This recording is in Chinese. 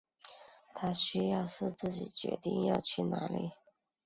他需要是自己决定要去哪里